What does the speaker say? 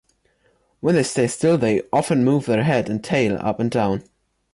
When they stay still, they often move their head and tail up and down.